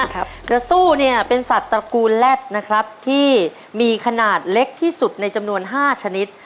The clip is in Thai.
กระซู่เนี่ยเป็นสัตว์ตระกูลแล็ดนะครับที่มีขนาดเล็กที่สุดในจำนวน๕ชนิด